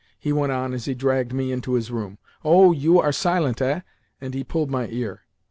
he went on as he dragged me into his room. "Oh! you are silent, eh?" and he pulled my ear.